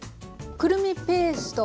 くるみペースト。